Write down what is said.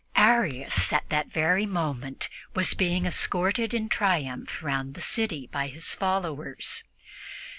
Arius at that very moment was being escorted in triumph around the city by his followers.